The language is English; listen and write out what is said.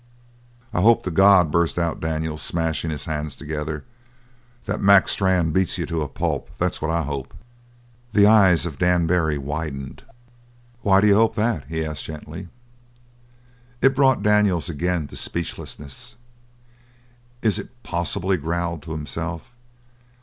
"I hope to God," burst out Daniels, smashing his hands together, "that Mac Strann beats you to a pulp! That's what I hope!" The eyes of Dan Barry widened. "Why d'you hope that?" he asked gently. It brought Daniels again to speechlessness. "Is it possible?" he growled to himself.